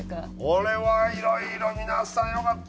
俺はいろいろ皆さん良かった。